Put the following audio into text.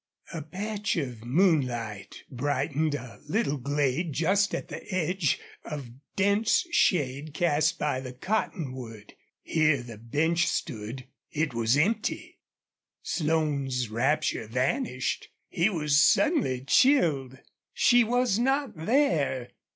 A patch of moonlight brightened a little glade just at the edge of dense shade cast by the cottonwood. Here the bench stood. It was empty! Slone's rapture vanished. He was suddenly chilled. She was not there!